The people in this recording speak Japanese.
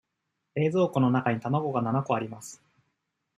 冷蔵庫の中に卵が七個あります。